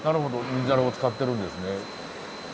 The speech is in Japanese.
ミズナラを使ってるんですね。